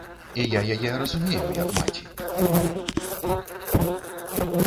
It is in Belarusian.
І я яе разумею як маці.